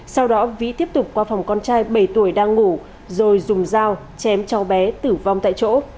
sau đó vĩ tiếp tục qua phòng con trai bảy tuổi đang ngủ rồi dùng dao chém cháu bé tử vong tại chỗ